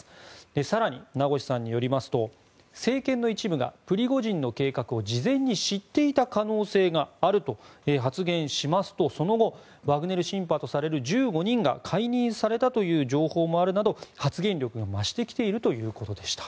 更に、名越さんによりますと政権の一部がプリゴジンの計画を事前に知っていた可能性があると発言しますとその後ワグネルシンパとされる１５人が解任されたという情報があるなど発言力が増してきているということでした。